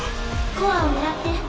コアを狙って。